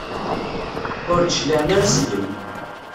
Ur d-cliɛen ara seg-m.